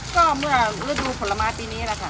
ก็เมื่อฤดูผลไม้ปีนี้แหละค่ะ